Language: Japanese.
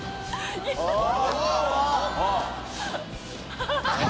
ハハハ